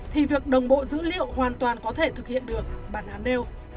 thì việc đồng bộ dữ liệu hoàn toàn có thể thực hiện được bản án nêu